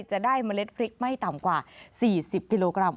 จะได้เมล็ดพริกไม่ต่ำกว่า๔๐กิโลกรัม